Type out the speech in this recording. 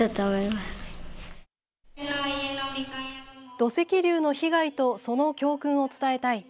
土石流の被害とその教訓を伝えたい。